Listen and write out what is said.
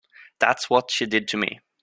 That's what she did to me.